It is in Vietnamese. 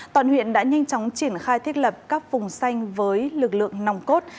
toàn huyện đã nhanh chóng triển khai thiết lập các vùng xanh với lực lượng nòng cốt